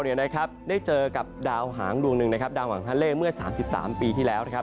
เราได้เจอกับดาวหางดวงหนึ่งดาวหางฮัลเล่เมื่อ๓๓ปีที่แล้ว